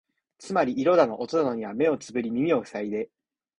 つまり色だの音だのには目をつぶり耳をふさいで、